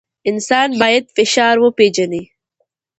انسان باید فشار وپېژني.